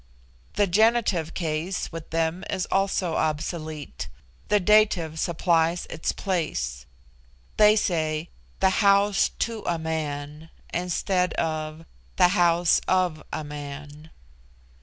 The genitive case with them is also obsolete; the dative supplies its place: they say the House 'to' a Man, instead of the House 'of' a Man.